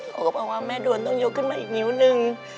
เขาก็บอกว่าแม่ดวนต้องยกขึ้นมาอีกนิ้วนึง